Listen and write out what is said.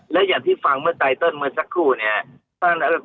แล้วอย่างที่ฟังเมื่อไตเนาตรสักคู่